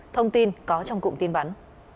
thông tin có trong cụm tin bắn